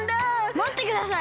まってください。